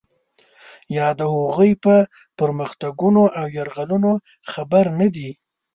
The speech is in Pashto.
یا د هغوی په پرمختګونو او یرغلونو خبر نه دی.